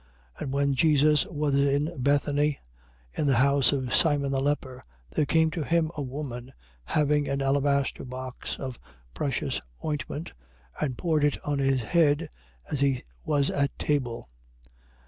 26:6. And when Jesus was in Bethania, in the house of Simon the leper, 26:7. There came to him a woman having an alabaster box of precious ointment and poured it on his head as he was at table.